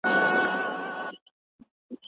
په لاس خط لیکل د فکرونو د ساتلو خوندي لاره ده.